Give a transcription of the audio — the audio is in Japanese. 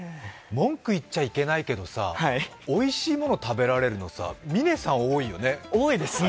文句いっちゃいけないけど、おいしいもの食べられるの、嶺さん、多いよね。